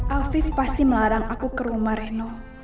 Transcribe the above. afif pasti melarang aku ke rumah reno